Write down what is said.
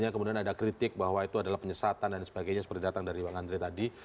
kemudian ada kritik bahwa itu adalah penyesatan dan sebagainya seperti datang dari bang andre tadi